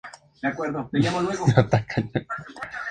Um programa hegeliano?